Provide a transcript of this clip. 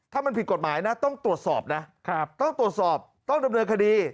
ถ้ามันผิดกฎหมายนะต้องตรวจสอบนะต้องตรวจสอบต้องดำเนินคดี